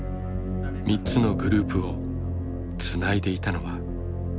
３つのグループをつないでいたのは何者なのか。